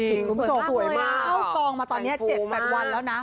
สวยมากสวยมากแต่งฟูมากเข้ากองมาตอนนี้๗๘วันแล้วนะ